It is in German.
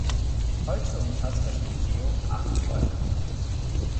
Heute umfasst das Museum acht Räume.